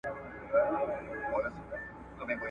پښتانه په مېړانه جنګېدل.